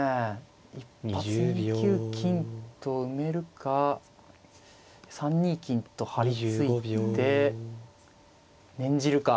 一発２九金と埋めるか３二金と張り付いて念じるか。